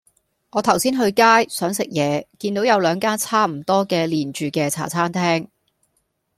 我頭先去街,想食野見到有兩間差唔多係連住既茶餐廳